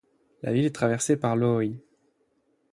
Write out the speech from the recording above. La ville est traversée par l'Ōi.